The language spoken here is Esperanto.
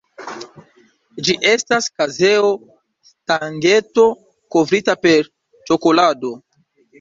Ĝi estas kazeo-stangeto kovrita per ĉokolado.